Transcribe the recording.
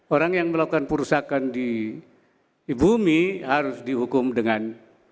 orang yang melakukan perusakan di bumi harus dihukum dengan